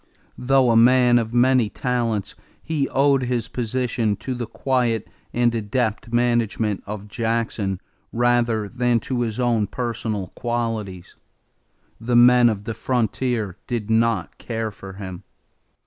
Though a man of many talents, he owed his position to the quiet and adept management of Jackson rather than to his own personal qualities. The men of the frontier did not care for him.